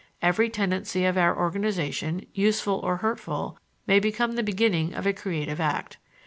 Every tendency of our organization, useful or hurtful, may become the beginning of a creative act.